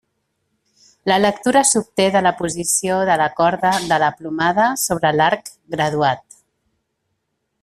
La lectura s'obté de la posició de la corda de la plomada sobre l'arc graduat.